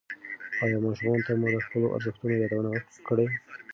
ایا ماشومانو ته مو د خپلو ارزښتونو یادونه کړې؟